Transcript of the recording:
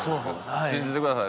信じてください。